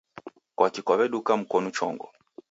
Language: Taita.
Kwaki kwaweduka mkonu chongo